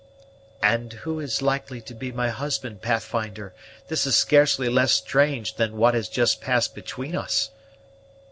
"And who is likely to be my husband, Pathfinder! This is scarcely less strange than what has just passed between us."